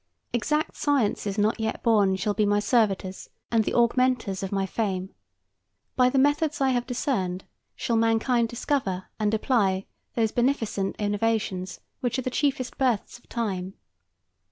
Exact sciences not yet born shall be my servitors and the augmenters of my fame. By the methods I have discerned shall mankind discover and apply those beneficent innovations which are the chiefest births of time.